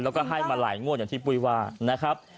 เราก็ให้มาหลายงวดอย่างที่บุมากนะครับ